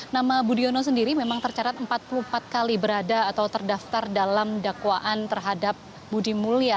nama budiono sendiri memang tercatat empat puluh empat kali berada atau terdaftar dalam dakwaan terhadap budi mulya